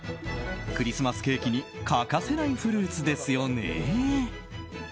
クリスマスケーキに欠かせないフルーツですよね。